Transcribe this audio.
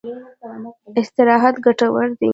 استراحت ګټور دی.